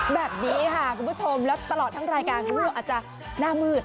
แบบนี้ค่ะคุณผู้ชมแล้วตลอดทั้งรายการคุณผู้ชมอาจจะหน้ามืด